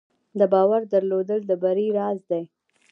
د باور درلودل د بری راز دی.